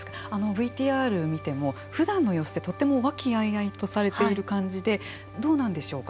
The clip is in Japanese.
ＶＴＲを見てもふだんの様子ってとても和気あいあいとされている感じでどうなんでしょうか。